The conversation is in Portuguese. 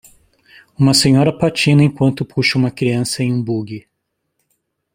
Uma senhora patina enquanto puxa uma criança em um buggy.